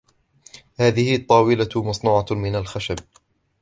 هذه الطاولة مصنوعة من الخشب.